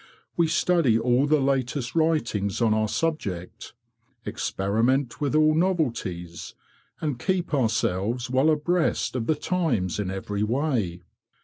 We study all the latest writings on our subject, experiment with all novelties, and keep ourselves well abreast of the times in every way.